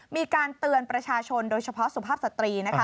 มีการเตือนประชาชนโดยเฉพาะสุภาพสตรีนะคะ